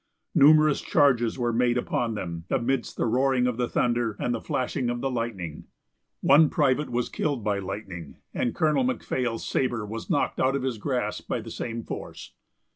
Numerous charges were made upon them, amidst the roaring of the thunder and the flashing of the lightning. One private was killed by lightning, and Colonel McPhail's saber was knocked out of his grasp by the same force.